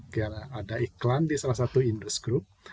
karena ada iklan di salah satu indus grup